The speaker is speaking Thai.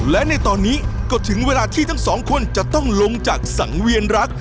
และในตอนนี้ก็ถึงเวลาที่ทั้งสองคนจะต้องลงจากสังเวียนรัก